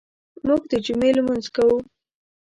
موږ د جمعې لمونځ کوو.